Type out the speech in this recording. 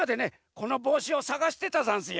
このぼうしをさがしてたざんすよ。